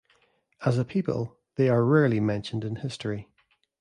As a people they are rarely mentioned in history.